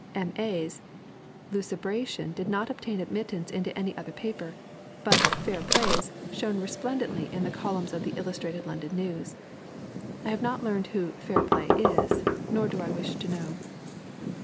"M. A.'s" lucubration did not obtain admittance into any other paper, but "Fair Play's" shone resplendently in the columns of the Illustrated London News. I have not learned who "Fair Play" is; nor do I wish to know.